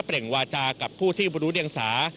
เปร่งวาจากับผู้ที่บุรุษฎีอังสรา